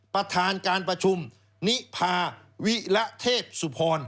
ประธานการประชุมนิพาวิระเทพสุพร